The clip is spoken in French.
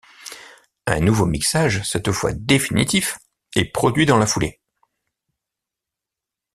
Un nouveau mixage, cette fois définitif, est produit dans la foulée.